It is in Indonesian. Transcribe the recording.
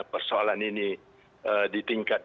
persoalan ini di tingkat